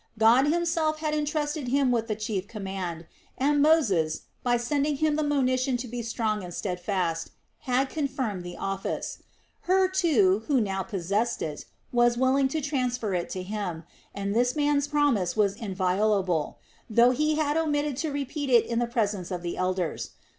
God Himself had entrusted him with the chief command, and Moses, by sending him the monition to be strong and steadfast, had confirmed the office. Hur, too, who now possessed it, was willing to transfer it to him, and this man's promise was inviolable, though he had omitted to repeat it in the presence of the elders.